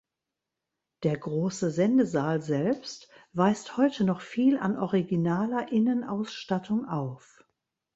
Der große Sendesaal selbst weist heute noch viel an originaler Innenausstattung auf.